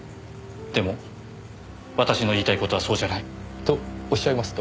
でも私の言いたい事はそうじゃない。とおっしゃいますと？